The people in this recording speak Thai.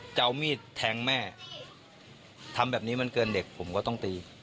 จะเอามีดแทงแม่ทำแบบนี้มันเกินเด็กผมก็ต้องตี